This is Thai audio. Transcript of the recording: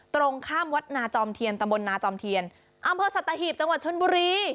ตรงข้ามวัดนาจอมเทียนตำบลนาจอมเทียนอำเภอสัตหีบจังหวัดชนบุรี